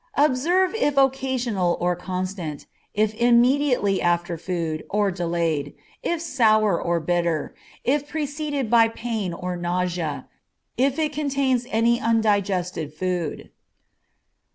Observe if occasional or constant, if immediately after food, or delayed, if sour or bitter, if preceded by pain or nausea, if it contains any undigested food.